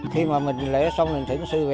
khi mà mình lễ xong mình sẽ gọi là lễ cúng ông bà